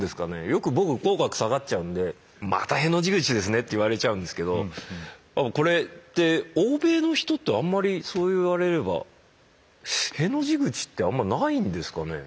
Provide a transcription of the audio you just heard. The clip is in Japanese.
よく僕口角下がっちゃうんで「またへの字口ですね」って言われちゃうんですけどこれって欧米の人ってあんまりそう言われればへの字口ってあんまりないんですかね。